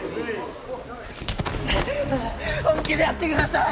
本気でやってください！